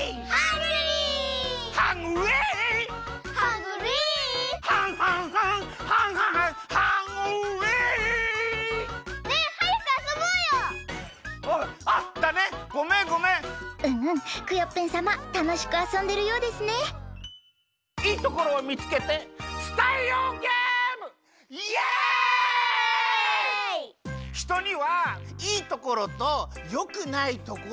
ひとにはいいところとよくないところがありますよね？